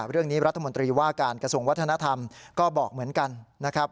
เรื่องนี้รัฐมนตรีว่าการกระทรวงวัฒนธรรมก็บอกเหมือนกันนะครับ